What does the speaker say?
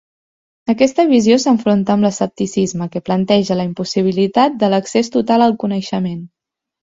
Aquesta visió s'enfronta amb l'escepticisme, que planteja la impossibilitat de l'accés total al coneixement.